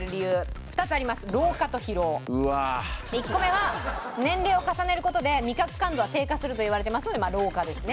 １個目は年齢を重ねる事で味覚感度は低下するといわれてますのでまあ老化ですね。